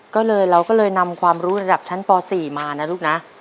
ก็เลยเราก็เลยนำความรู้ระดับชั้นป๔มานะลูกนะ